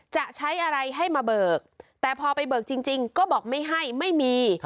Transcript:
จะใช้อะไรให้มาเบิกแต่พอไปเบิกจริงก็บอกไม่ให้ไม่มี